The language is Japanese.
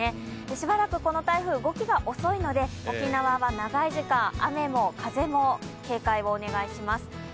しばらくこの台風、動きが遅いので沖縄は長い時間、雨も風も警戒をお願いします。